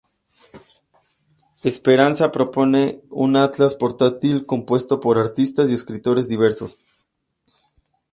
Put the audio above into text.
Speranza propone un Atlas portátil compuesto por artistas y escritores diversos.